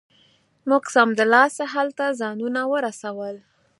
موږ سمدلاسه هلته ځانونه ورسول.